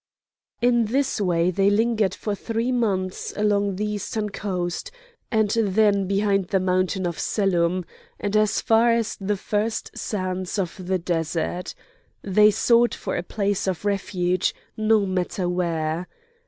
In this way they lingered for three months along the eastern coast, and then behind the mountain of Selloum, and as far as the first sands of the desert. They sought for a place of refuge, no matter where.